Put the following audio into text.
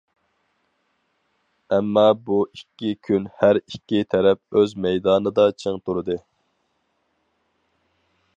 ئەمما بۇ ئىككى كۈن ھەر ئىككى تەرەپ ئۆز مەيدانىدا چىڭ تۇردى.